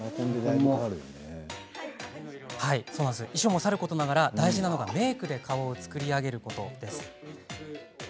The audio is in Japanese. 衣装もさることながら大事なのがメークで顔を作り上げること。